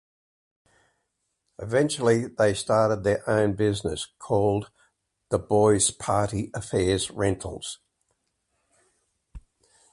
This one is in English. Eventually they started their own business called "The Boys Party Affair Rentals".